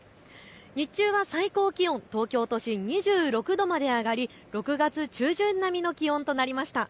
日中は最高気温、東京都心２６度まで上がり６月中旬並みの気温となりました。